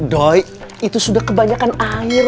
doi itu sudah kebanyakan air